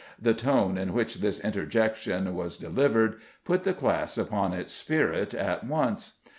The tone in which this interjection was delivered put the class upon its spirit at once.